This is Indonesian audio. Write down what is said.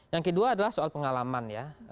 yang kedua adalah soal pengalaman ya